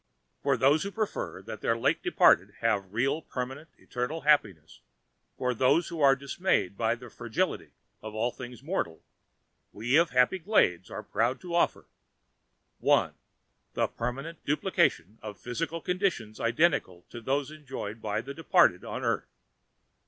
"For those who prefer that their late departed have really permanent, eternal happiness, for those who are dismayed by the fragility of all things mortal, we of HAPPY GLADES are proud to offer: "1. The permanent duplication of physical conditions identical to those enjoyed by the departed on Earth.